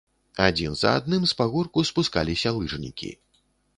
Адзін за адным з пагорку спускаліся лыжнікі.